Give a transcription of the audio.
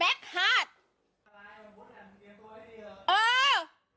ค่ะเนิญมาสิ